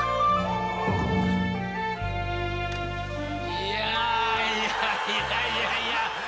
いやいやいやいや。